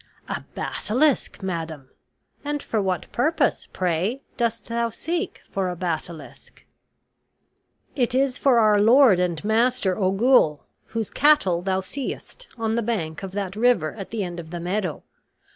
"A basilisk, madam! and for what purpose, pray, dost thou seek for a basilisk?" "It is for our lord and master Ogul, whose cattle thou seest on the bank of that river at the end of the meadow.